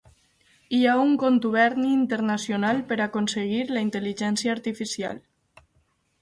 Hi ha un contuberni internacional per a aconseguir la intel·ligència artificial.